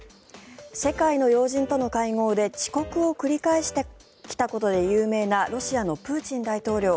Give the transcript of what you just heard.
世界の要人との会合で遅刻を繰り返してきたことで有名なロシアのプーチン大統領。